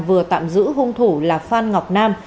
vừa tạm giữ hung thủ là phan ngọc nam